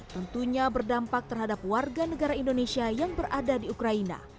tentunya berdampak terhadap warga negara indonesia yang berada di ukraina